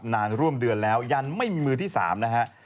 นานร่วมเดือนแล้วยันไม่มีมือที่๓นะฮะ